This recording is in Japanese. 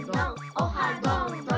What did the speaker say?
オハどんどん！